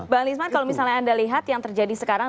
bang lisman kalau misalnya anda lihat yang terjadi sekarang